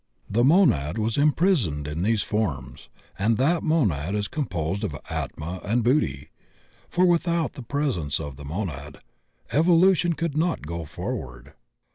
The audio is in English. The monad was imprisoned in these forms, and that monad is composed of Atma and Buddhi; for, without the presence of the monad, evolution could not go forward.